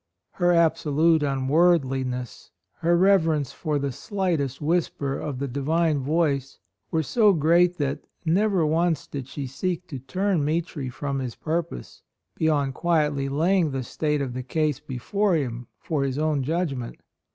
Her absolute unworldliness, her reverence for the slightest whisper of the Divine Voice were so great that never once did she seek to turn Mitri from his purpose, beyond quietly laying the state of the case before him for his own judgment.